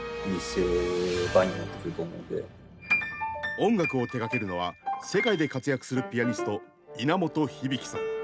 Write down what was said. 音楽を手がけるのは世界で活躍するピアニスト稲本響さん。